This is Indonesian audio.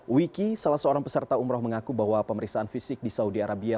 wiki salah seorang peserta umroh mengaku bahwa pemeriksaan fisik di saudi arabia